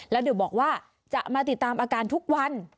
แล้วเดี๋ยวบอกว่าจะมาติดตามอาการทุกวัน